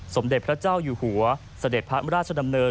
สมเด็จพระเจ้าอยู่หัวเสด็จพระราชดำเนิน